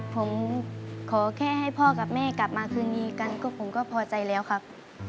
ผมขอแค่ให้พ่อกับแม่กลับมาคืนดีกันก็ผมก็พอใจแล้วครับ